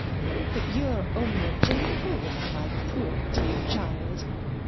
But you're only a gentlewoman, my poor dear child.